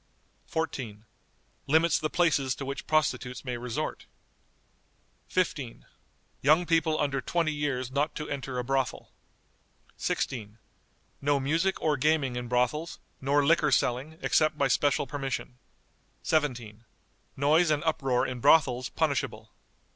14. Limits the places to which prostitutes may resort. "15. Young people, under twenty years, not to enter a brothel." "16. No music or gaming in brothels, nor liquor selling, except by special permission." "17. Noise and uproar in brothels punishable."